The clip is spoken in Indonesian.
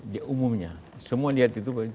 di umumnya semua di hati itu umumnya itu